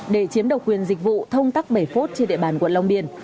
để chiếm độc quyền dịch vụ thông tắc bể phốt trên địa bàn quận long biên